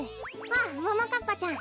あももかっぱちゃん。